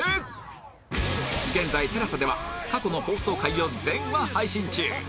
現在 ＴＥＬＡＳＡ では過去の放送回を全話配信中